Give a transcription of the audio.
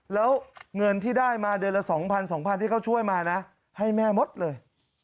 แล้วเงินที่ได้มาเดือนละ๒๐๐๒๐๐ที่เขาช่วยมานะให้แม่หมดเลย